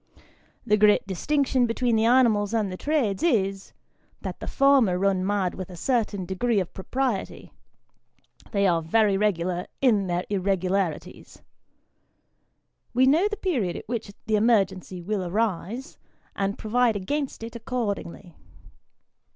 The great distinction between the animals and the trades, is, that the former run mad with a certain degree of propriety they are very regular in their irregu larities. We know the period at which the emergency will arise, and provide against it accordingly.